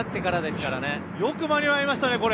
よく間に合いましたね、これ！